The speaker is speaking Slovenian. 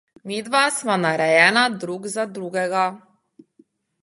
Midva sva narejena drug za drugega!